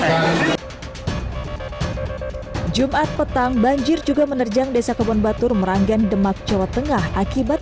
hai jumat petang banjir juga menerjang desa kebon batur meranggan demak jawa tengah akibat